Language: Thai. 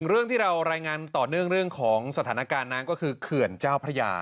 เรื่องที่เรารายงานต่อเนื่องเรื่องของสถานการณ์น้ำก็คือเขื่อนเจ้าพระยา